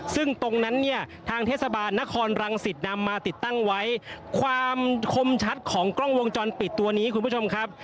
ซึ่งตรงนั้นเนี่ยทางเทศบาลนครรังสิตนำมาติดตั้งไว้ความคมชัดของกล้องวงจรปิดตัวนี้คุณผู้ชมครับ